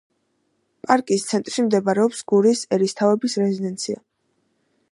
პარკის ცენტრში მდებარეობს გურიის ერისთავების რეზიდენცია.